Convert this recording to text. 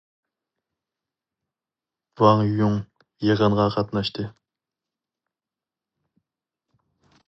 ۋاڭ يۇڭ يىغىنغا قاتناشتى.